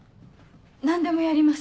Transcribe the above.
何でもやります。